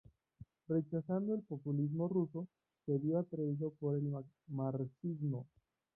Rechazando el populismo ruso, se vio atraído por el marxismo.